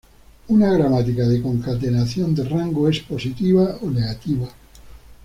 Una Gramática de Concatenación de Rango es positiva o negativa.